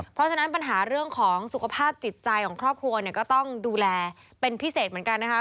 เพราะฉะนั้นปัญหาเรื่องของสุขภาพจิตใจของครอบครัวเนี่ยก็ต้องดูแลเป็นพิเศษเหมือนกันนะคะ